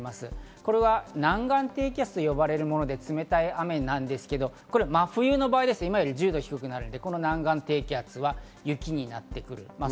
これは南岸低気圧と呼ばれるもので冷たい雨なんですけど真冬の場合、今より１０度低くなるので、この南岸低気圧は雪になってくる。